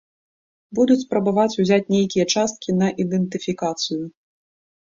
Будуць спрабаваць узяць нейкія часткі на ідэнтыфікацыю.